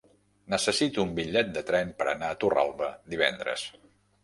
Necessito un bitllet de tren per anar a Torralba divendres.